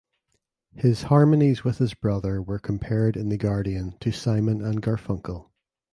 His harmonies with his brother were compared in The Guardian to Simon and Garfunkel.